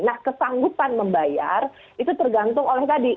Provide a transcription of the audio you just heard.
nah kesanggupan membayar itu tergantung oleh tadi